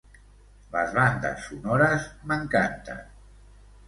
Les bandes sonores m'encanten.